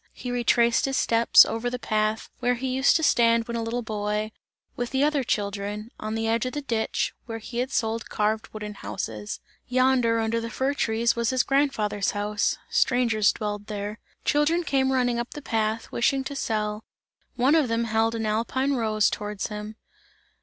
He retraced his steps, over the path, where he used to stand when a little boy, with the other children, on the edge of the ditch, and where he sold carved wooden houses. Yonder, under the fir trees was his grandfather's house, strangers dwelled there. Children came running up the path, wishing to sell; one of them held an alpine rose towards him.